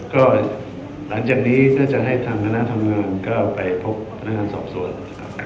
ก็หลังจากนี้ถ้าจะให้ทางคณะทำงานก็ไปพบพนักงานสอบสวน